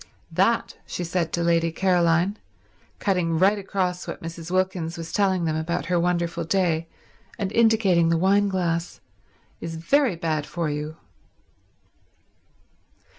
"That," she said to Lady Caroline, cutting right across what Mrs. Wilkins was telling them about her wonderful day and indicating the wine glass, "is very bad for you."